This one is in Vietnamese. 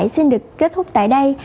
xin được kết thúc tại đây